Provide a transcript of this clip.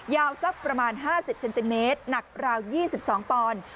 สักประมาณ๕๐เซนติเมตรหนักราว๒๒ปอนด์